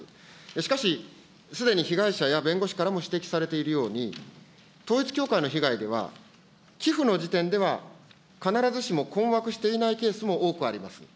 しかし、すでに被害者や弁護士からも指摘されているように、統一教会の被害では、寄付の時点では、必ずしも困惑していないケースも多くあります。